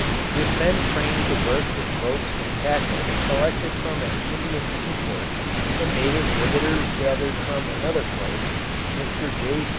With men trained to work with ropes and tackle collected from an Indian seaport, and native riveters gathered from another place, Mr. J.